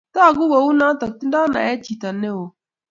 togu kuuni tingdoi naet chito ne oo